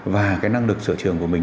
và cái năng lực sở trường của mình